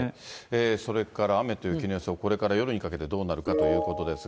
それから雨と雪の予想、これから夜にかけてどうなるかということですが。